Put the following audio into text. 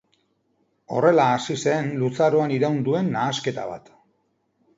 Horrela hasi zen luzaroan iraun duen nahasketa bat.